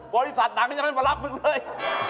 บริษัทหนังก็ยังไม่มารับมึงเลย